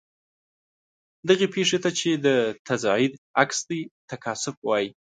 دغې پیښې ته چې د تصعید عکس دی تکاثف وايي.